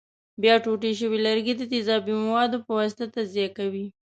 بیا ټوټې شوي لرګي د تیزابي موادو په واسطه تجزیه کوي.